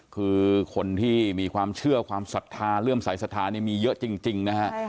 คือคนที่มีความเชื่อความศรัทธาเลื่อมสายศรัทธานี่มีเยอะจริงนะฮะ